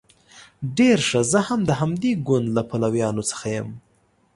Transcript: ډیر ښه زه هم د همدې ګوند له پلویانو څخه یم.